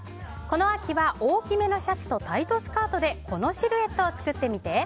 この秋は大きめのシャツとタイトスカートでこのシルエットを作ってみて。